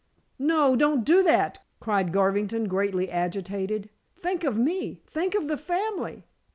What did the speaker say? "No; don't do that!" cried Garvington, greatly agitated. "Think of me think of the family!"